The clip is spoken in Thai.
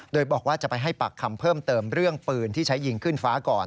โดยบอกว่าจะไปให้ปากคำเพิ่มเติมเรื่องปืนที่ใช้ยิงขึ้นฟ้าก่อน